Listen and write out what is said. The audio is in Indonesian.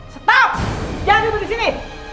stop jangan duduk disini